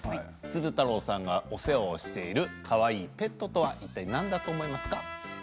鶴太郎さんがお世話をしているかわいいペットとはいったい何でしょうか？